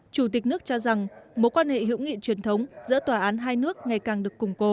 chủ tịch nước cho rằng mối quan hệ hữu nghị truyền thống giữa tòa án hai nước ngày càng được củng cố